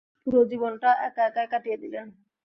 পুরো জীবনটা একা একাই কাটিয়ে দিলেন।